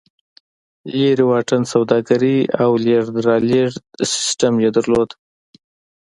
لرې واټن سوداګري او لېږد رالېږد سیستم یې درلود.